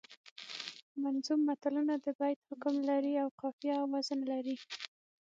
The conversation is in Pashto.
منظوم متلونه د بیت حکم لري او قافیه او وزن لري